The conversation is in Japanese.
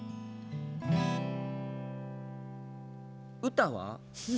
歌は？